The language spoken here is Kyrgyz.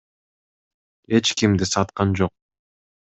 Эч кимди саткан жок.